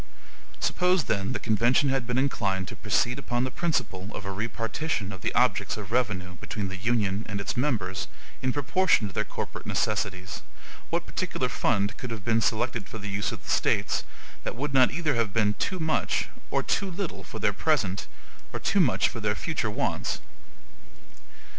Suppose, then, the convention had been inclined to proceed upon the principle of a repartition of the objects of revenue, between the Union and its members, in PROPORTION to their comparative necessities; what particular fund could have been selected for the use of the States, that would not either have been too much or too little too little for their present, too much for their future wants?